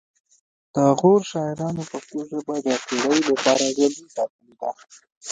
د غور شاعرانو پښتو ژبه د پیړیو لپاره ژوندۍ ساتلې ده